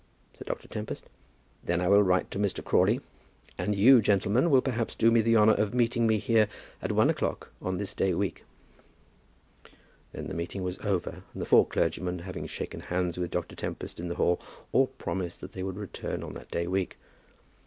said Dr. Tempest. "Then I will write to Mr. Crawley, and you, gentlemen, will perhaps do me the honour of meeting me here at one o'clock on this day week." Then the meeting was over, and the four clergymen having shaken hands with Dr. Tempest in the hall, all promised that they would return on that day week.